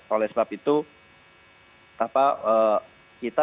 oleh sebab itu kita memang mencoba kita mencoba kita mencoba kita mencoba